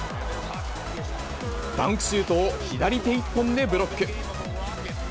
ダンクシュートを左手一本でブロック。